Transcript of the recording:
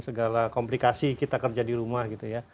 segala komplikasi kita kerja di rumah